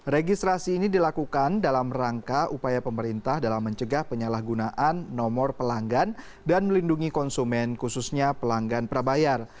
registrasi ini dilakukan dalam rangka upaya pemerintah dalam mencegah penyalahgunaan nomor pelanggan dan melindungi konsumen khususnya pelanggan prabayar